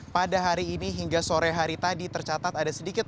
pada hari ini hingga sore hari tadi tercatat ada sedikit